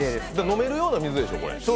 飲めるような水でしょ、これ。